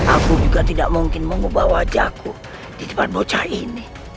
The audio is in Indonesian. aku juga tidak mungkin mengubah wajahku di depan bocah ini